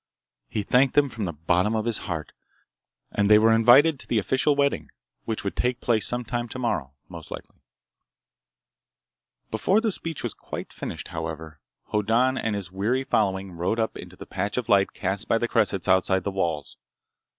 He thanked them from the bottom of his heart and they were invited to the official wedding, which would take place sometime tomorrow, most likely. Before the speech was quite finished, however, Hoddan and his weary following rode up into the patch of light cast by the cressets outside the walls.